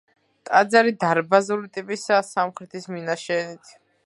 ტაძარი დარბაზული ტიპისაა სამხრეთის მინაშენით.